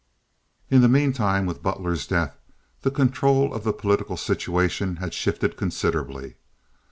In the meanwhile, with Butler's death, the control of the political situation had shifted considerably.